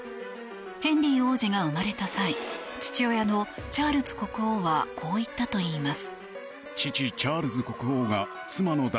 ヘンリー王子が生まれた際父親のチャールズ国王はこう言ったといいます。